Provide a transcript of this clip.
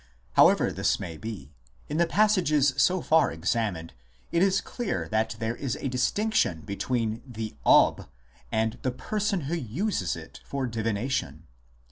However this may be, in the passages so far examined it is clear that there is a distinction between the Ob and the person who uses it for divination.